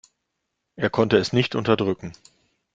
Er konnte es nicht unterdrücken.